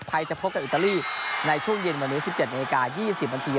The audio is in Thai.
ใครจะพบกับอิตาลีในช่วงเย็นวันนี้สิบเจ็ดนาทีระยี่สิบนาที